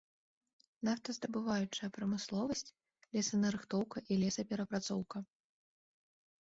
Нафтаздабываючая прамысловасць, лесанарыхтоўка і лесаперапрацоўка.